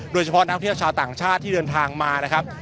โดยเฉพาะนักเที่ยวชาวต่างชาติที่เดินทางมานะครับ